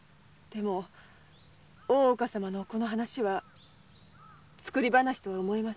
でも大岡様のお子の話は作り話とは思えません。